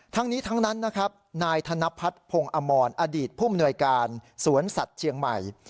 ทั้งนี้ทั้งนั้นนะครับนายธนพัฒน์พงศ์อมรอดีตผู้มนวยการสวนสัตว์เชียงใหม่